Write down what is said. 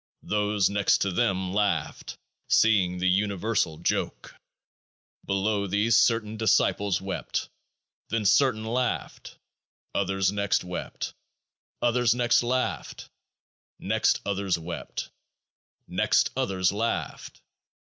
Those next to them laughed, seeing the Uni versal Joke. Below these certain disciples wept. Then certain laughed. Others next wept. Others next laughed. Next others wept. Next others laughed.